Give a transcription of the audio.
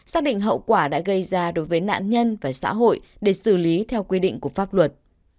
xác định hậu quả đã gây ra đối với nạn nhân và xã hội để xử lý theo quy định của pháp luật